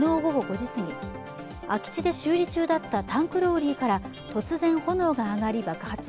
市で空き地で修理中だったタンクローリーから突然、炎が上がり、爆発。